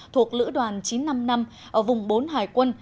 thuộc lữ đoàn chín trăm năm mươi năm ở vùng bốn hải quân